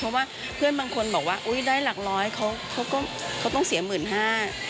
เพราะว่าเพื่อนบางคนบอกว่าอุ้ยได้หลักร้อยเขาก็เขาต้องเสียหมื่นห้า